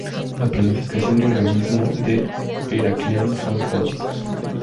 La planificación y urbanismo de Heraclión son caóticos.